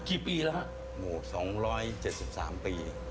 กี่ปีแล้วครับโอ้โหสองร้อยเจ็ดสิบสามปี